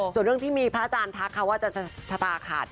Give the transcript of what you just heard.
ส่วนเรื่องที่พระพระมนันทรักว่าจะชะตาขาด